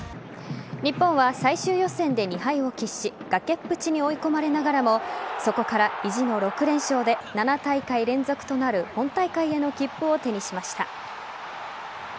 日本は最終予選で２敗を喫し崖っぷちに追い込まれながらもそこから意地の６連勝で７大会連続となる本大会への切符を手にしました。